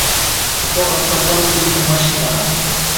ifor ostida qolib ketdi moshinlar